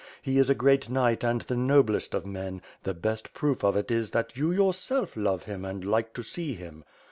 He is a great knight and the noblest of men, the best proof of it is that you yourself love him and like to see him."